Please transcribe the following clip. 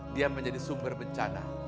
dia menjadi sumber bencana